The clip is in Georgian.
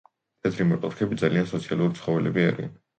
თეთრი მარტორქები ძალიან სოციალური ცხოველები არიან.